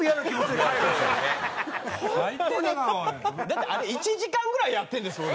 だってあれ１時間ぐらいやってるんですよ！